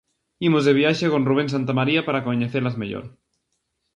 Imos de viaxe con Rubén Santamaría para coñecelas mellor: